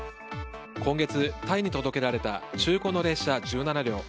今月、タイに届けられた中古の列車１７両。